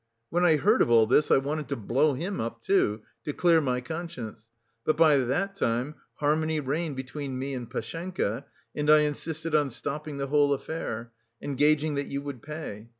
When I heard of all this I wanted to blow him up, too, to clear my conscience, but by that time harmony reigned between me and Pashenka, and I insisted on stopping the whole affair, engaging that you would pay.